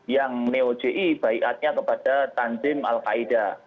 yang neo ji baikatnya kepada tanzim al qaeda